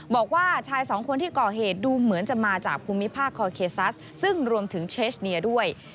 บอกว่าชายสองคนที่ก่อเหตุดูเหมือนจะมาจากภูมิภาคคอเคซัสซึ่งรวมถึงเชสเนียด้วย